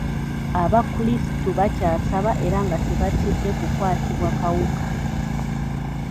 Abakulisitu bakyasaba era nga tebatidde kukwatibwa kawuka.